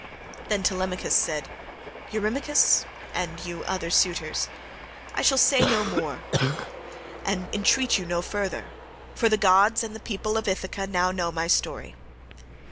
Then Telemachus said, "Eurymachus, and you other suitors, I shall say no more, and entreat you no further, for the gods and the people of Ithaca now know my story.